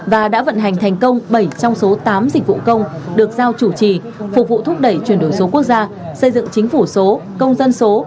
và đã vận hành thành công bảy trong số tám dịch vụ công được giao chủ trì phục vụ thúc đẩy chuyển đổi số quốc gia xây dựng chính phủ số công dân số